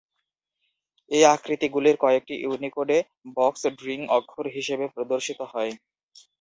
এই আকৃতিগুলির কয়েকটি ইউনিকোডে বক্স-ড্রিং অক্ষর হিসেবে প্রদর্শিত হয়।